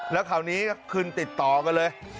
แล้วคราวนี้ขึ้นติดต่อกันเลย